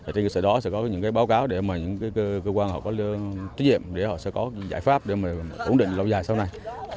trên cơ sở đó sẽ có những báo cáo để mà những cơ quan họ có trách nhiệm để họ sẽ có giải pháp để mà ổn định lâu dài sau này